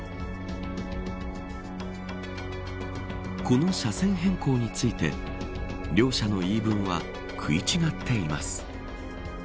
この車線変更について両者の言い分は食い違っています。